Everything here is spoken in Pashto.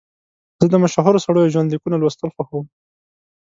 زه د مشهورو سړیو ژوند لیکونه لوستل خوښوم.